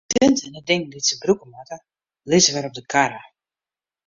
De tinte en de dingen dy't se brûke moatte, lizze wer op de karre.